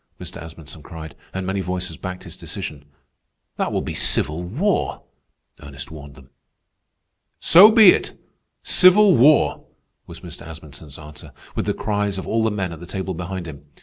Mr. Asmunsen cried, and many voices backed his decision. "That will be civil war," Ernest warned them. "So be it, civil war," was Mr. Asmunsen's answer, with the cries of all the men at the table behind him.